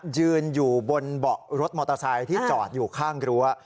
ยืนอยู่บนเบาะรถมอเตอร์ไซค์ที่จอดอยู่ข้างรั้ว